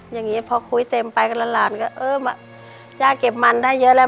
อย่างนี้พอคุยเต็มไปก็หลานก็เออย่าเก็บมันได้เยอะแล้ว